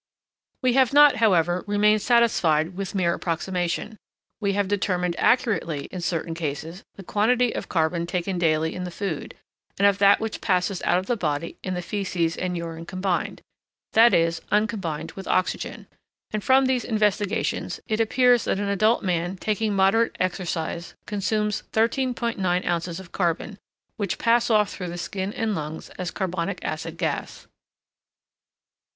We have not, however, remained satisfied with mere approximation: we have determined accurately, in certain cases, the quantity of carbon taken daily in the food, and of that which passes out of the body in the faeces and urine combined that is, uncombined with oxygen; and from these investigations it appears that an adult man taking moderate exercise consumes 13.9 ounces of carbon, which pass off through the skin and lungs as carbonic acid gas.